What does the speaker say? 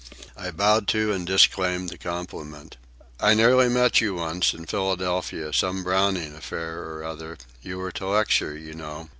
I bowed to, and disclaimed, the compliment. "I nearly met you, once, in Philadelphia, some Browning affair or other—you were to lecture, you know.